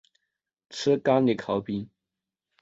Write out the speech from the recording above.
吃咖哩烤饼